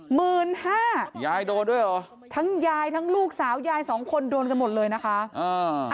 หมื่นห้ายายโดนด้วยเหรอทั้งยายทั้งลูกสาวยายสองคนโดนกันหมดเลยนะคะอ่า